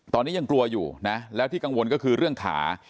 ตอนนี้ยังกลัวอยู่นะแล้วที่กังวลก็คือเรื่องขา